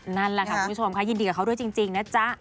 นั่นแหละค่ะคุณผู้ชมค่ะยินดีกับเขาด้วยจริงนะจ๊ะ